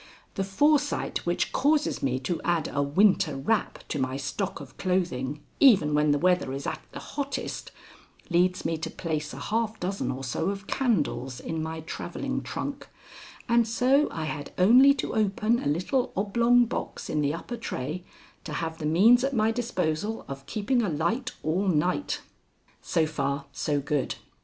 The foresight which causes me to add a winter wrap to my stock of clothing even when the weather is at the hottest, leads me to place a half dozen or so of candles in my travelling trunk, and so I had only to open a little oblong box in the upper tray to have the means at my disposal of keeping a light all night. So far, so good.